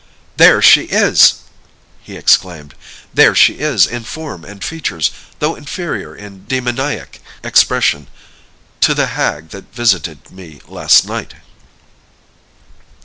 "There she is!" he exclaimed; "there she is, in form and features, though inferior in demoniac expression to the hag that visited me last night!"